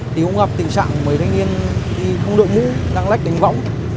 thì cũng gặp tình trạng mấy thanh niên đi không đợi mũ đang lách đánh võng